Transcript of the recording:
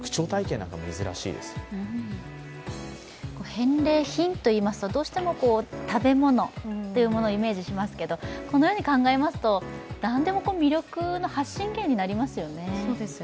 返礼品といいますと、どうしても食べ物をイメージしますけど、このように考えますとなんでも魅力の発信源になりますよね。